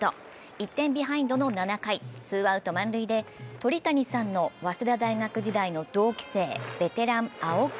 １点ビハインドの７回、ツーアウト満塁で鳥谷さんの早稲田大学時代の同期生、ベテラン・青木。